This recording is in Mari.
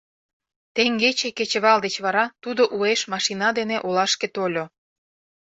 Теҥгече кечывал деч вара тудо уэш машина дене олашке тольо.